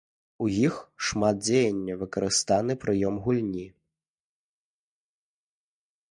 У іх шмат дзеяння, выкарыстаны прыёмы гульні.